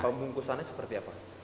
pembungkusannya seperti apa